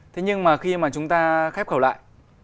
thế nhưng mà khi mà chúng ta khép lại